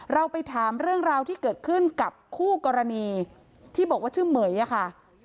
เราไปถามเรื่องราวที่เกิดขึ้นกับคู่กรณีที่บอกว่าชื่อเหม๋ยอะค่ะ